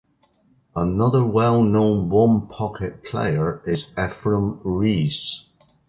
Another well-known one-pocket player is Efren Reyes.